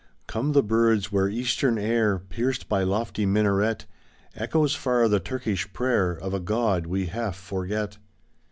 Come the birds where Eastern air. Pierced by lofty minaret. Echoes far the Turkish prayer Of a God we half forget.